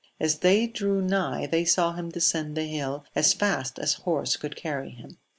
As they drew nigh they saw him descend the hill as fast as horse could carry him.